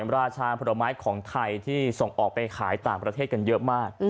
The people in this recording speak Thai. ราชาผลไม้ของไทยที่ส่งออกไปขายต่างประเทศกันเยอะมาก